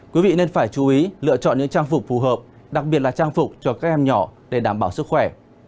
quý vị nên phải chú ý lựa chọn những trang phục phù hợp đặc biệt là trang phục cho các em nhỏ để đảm bảo sức khỏe